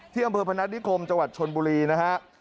อำเภอพนัฐนิคมจังหวัดชนบุรีนะฮะ